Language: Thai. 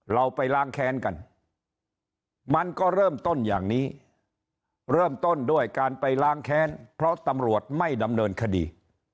เราไปล้างแค้นกันมันก็เริ่มต้นอย่างนี้เริ่มต้นด้วยการไปล้างแค้นเพราะตำรวจไม่ดำเนินคดี